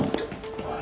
おい。